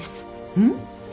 うん？